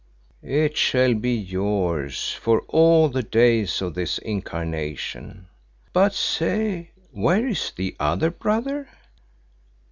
"It shall be yours for all the days of this incarnation. But say, where is the other brother?"